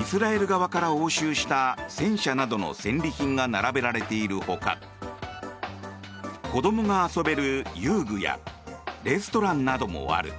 イスラエル側から押収した戦車などの戦利品が並べられている他子供が遊べる遊具やレストランなどもある。